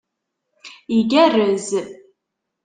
Igerrez!